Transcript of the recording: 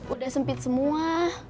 udah sempit semua